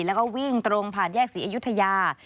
แล้วก็วิ่งตรงผ่านแยกศรีอยุธยา